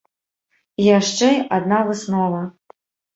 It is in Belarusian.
І яшчэ адна выснова.